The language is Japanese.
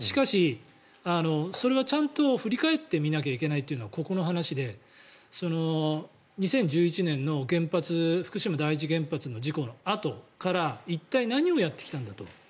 しかし、それはちゃんと振り返ってみなきゃいけないというのはここの話で２０１１年の原発の福島第一原発の事故のあとから一体何をやってきたんだと。